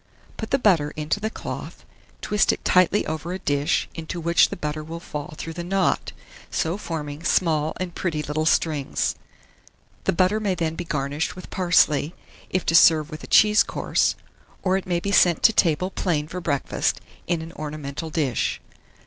Put the butter into the cloth; twist it tightly over a dish, into which the butter will fall through the knot, so forming small and pretty little strings. The butter may then be garnished with parsley, if to serve with a cheese course; or it may be sent to table plain for breakfast, in an ornamental dish.